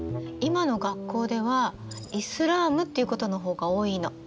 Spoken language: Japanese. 今の学校ではイスラームっていうことの方が多いの。